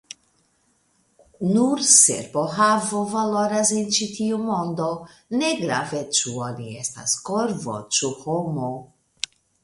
Nur cerbohavo valoras en ĉi tiu mondo, negrave ĉu oni estas korvo ĉu homo.